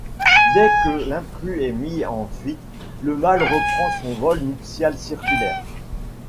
Dès que l’intrus est mis en fuite, le mâle reprend son vol nuptial circulaire.